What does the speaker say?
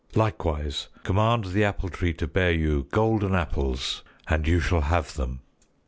Likewise command the Apple Tree to bear you golden apples, and you shall have them."